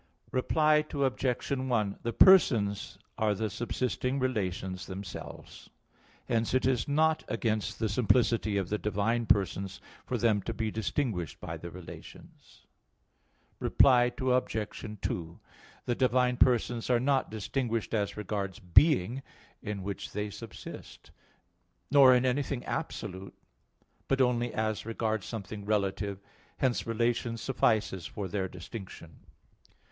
Reply Obj. 1: The persons are the subsisting relations themselves. Hence it is not against the simplicity of the divine persons for them to be distinguished by the relations. Reply Obj. 2: The divine persons are not distinguished as regards being, in which they subsist, nor in anything absolute, but only as regards something relative. Hence relation suffices for their distinction.